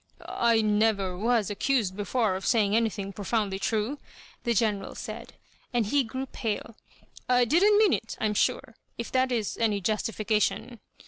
" I never was accused before of saying any thing profoundly true," the (Jeneral said, and he grew pale. ^* I didn't mean it, I'm sure, if that is any justification.